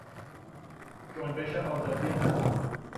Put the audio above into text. جنبش آزادی زنان